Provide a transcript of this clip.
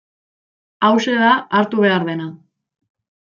Hauxe da hartu behar dena.